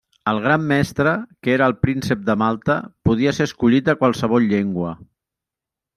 El gran mestre, que era el príncep de Malta, podia ser escollit de qualsevol llengua.